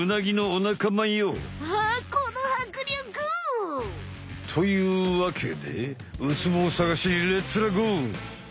ああこのはくりょく！というわけでウツボをさがしにレッツらゴー！